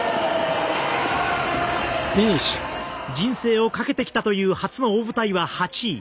人生をかけてきたという初の大舞台は８位。